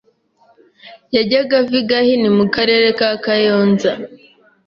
yajyaga ava i Gahini mu Karere ka Kayonza